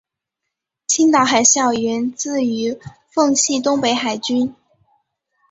青岛海校源自于奉系东北海军。